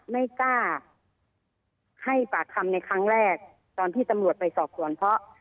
ไม่กล้าให้ปากคำในครั้งแรกตอนที่ตำรวจไปสอบสวนเพราะ